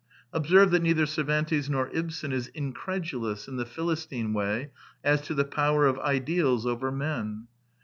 Observe that neither Cervantes nor Ibsen is incredulous, in the Philistine way, as to the power of ideals over men.